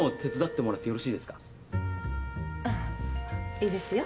いいですよ。